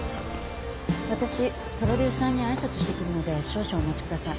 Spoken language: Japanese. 私プロデューサーに挨拶してくるので少々お待ち下さい。